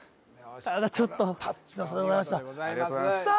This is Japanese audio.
ただちょっとタッチの差でございましたさあ